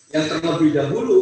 yang terlebih dahulu